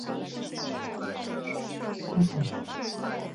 鹤城区是中国湖南省怀化市所辖的一个市辖区。